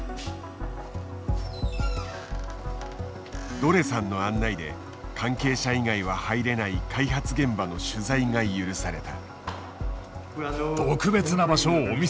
ドレさんの案内で関係者以外は入れない開発現場の取材が許された。